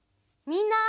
みんな！